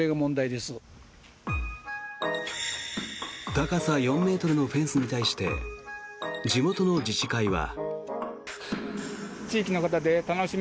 高さ４ｍのフェンスに対して地元の自治会は。